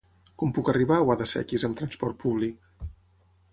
Com puc arribar a Guadasséquies amb transport públic?